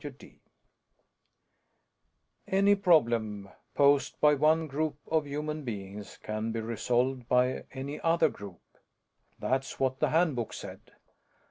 net _"Any problem posed by one group of human beings can be resolved by any other group." That's what the Handbook said.